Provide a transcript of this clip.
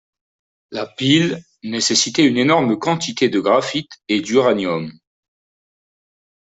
La pile nécessitait une énorme quantité de graphite et d'uranium.